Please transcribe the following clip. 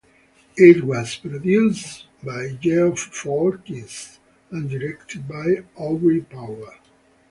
It was produced by Geoff Foulkes and directed by Aubrey Powell.